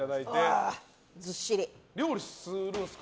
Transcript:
料理するんですか？